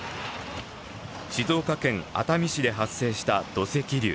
静岡県熱海市で発生した土石流。